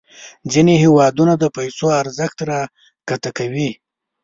ځینې هیوادونه د پیسو ارزښت راښکته کوي.